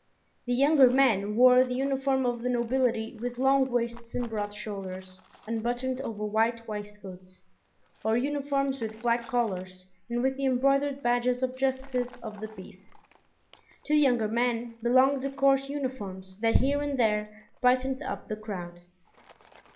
The younger men wore the uniform of the nobility with long waists and broad shoulders, unbuttoned over white waistcoats, or uniforms with black collars and with the embroidered badges of justices of the peace. To the younger men belonged the court uniforms that here and there brightened up the crowd.